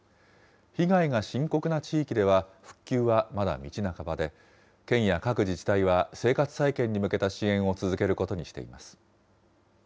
被害が深刻な地域では、復旧はまだ道半ばで、県や各自治体は生活再建に向けた支援を続けることにしています。